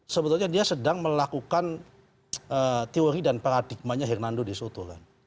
sebetulnya dia sedang melakukan teori dan paradigma nya hernando de soto